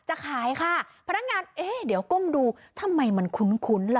จะขายค่ะพนักงานเอ๊ะเดี๋ยวก้มดูทำไมมันคุ้นล่ะ